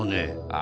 あ。